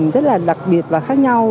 rất là đặc biệt và khác nhau